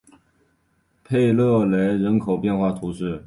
佩勒雷人口变化图示